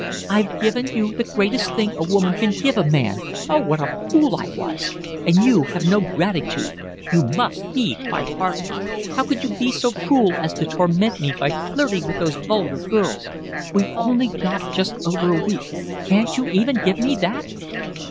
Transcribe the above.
"I've given you the greatest thing a woman can give a man—oh, what a fool I was—and you have no gratitude. You must be quite heartless. How could you be so cruel as to torment me by flirting with those vulgar girls. We've only got just over a week. Can't you even give me that?"